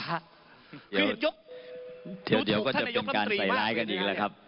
เดี๋ยวก็จะเป็นการใส่ร้ายกันอีกแล้วครับ